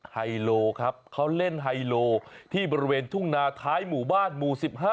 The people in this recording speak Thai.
ไฮโลครับเขาเล่นไฮโลที่บริเวณทุ่งนาท้ายหมู่บ้านหมู่๑๕